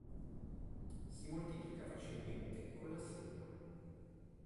Si moltiplica facilmente con la semina.